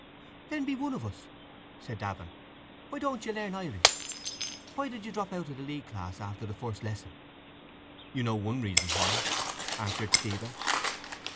—Then be one of us, said Davin. Why don't you learn Irish? Why did you drop out of the league class after the first lesson? —You know one reason why, answered Stephen.